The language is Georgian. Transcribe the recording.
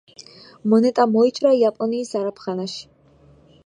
მონეტა მოიჭრა იაპონიის ზარაფხანაში.